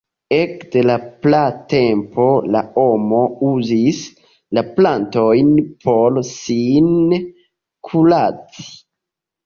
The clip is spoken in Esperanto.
Ekde la praa tempo la homo uzis la plantojn por sin kuraci.